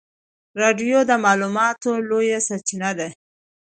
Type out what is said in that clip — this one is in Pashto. رادیو د معلوماتو لویه سرچینه ده.